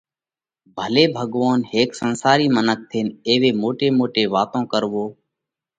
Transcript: ڀلي ڀڳوونَ! ھيڪ سنسارِي منک ٿينَ ايوي موٽي موٽي واتون ڪروو،